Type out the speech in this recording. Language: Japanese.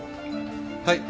はい。